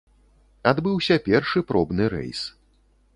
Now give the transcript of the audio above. Адбыўся першы пробны рэйс.